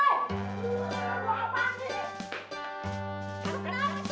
umi kenapa sih